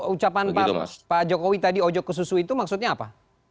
ucapan pak jokowi tadi ojok ke susu itu maksudnya apa